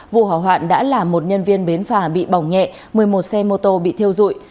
vụ hỏa hoạn đã làm một nhân viên bến phà bị bỏng nhẹ một mươi một xe mô tô bị thiêu dụi